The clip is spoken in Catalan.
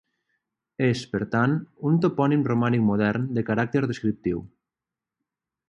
És, per tant, un topònim romànic modern, de caràcter descriptiu.